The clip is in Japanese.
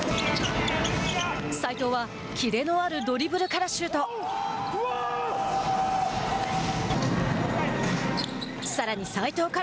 齊藤はキレのあるドリブルからシュート。